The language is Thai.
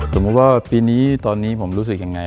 สมมุติว่าปีนี้ตอนนี้ผมรู้สึกยังไง